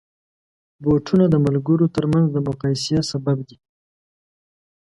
بوټونه د ملګرو ترمنځ د مقایسې سبب دي.